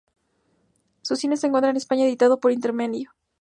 Su cine se encuentra en España editado por Intermedio.